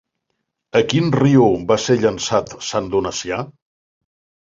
A quin riu va ser llençat Sant Donacià?